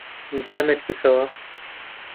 دەمت بکەوە.